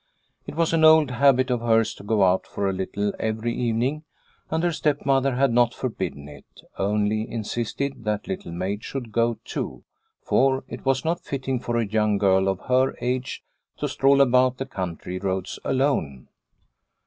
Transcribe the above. It was an old habit of hers to go out for a little every evening and her stepmother had not forbidden it, only insisted that Little Maid should go too, for it was not fitting for a young girl of her age to stroll about the country roads alone.